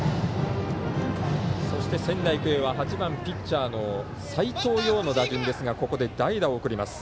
仙台育英は８番ピッチャーの斎藤蓉の打順ですがここで代打を送ります。